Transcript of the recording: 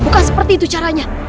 bukan seperti itu caranya